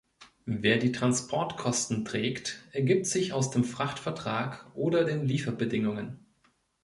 Wer die Transportkosten trägt, ergibt sich aus dem Frachtvertrag oder den Lieferbedingungen.